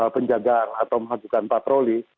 penjagaan atau melakukan patroli